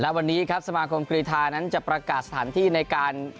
วันนี้ครับสมาคมกรีธานั้นจะประกาศสถานที่ในการ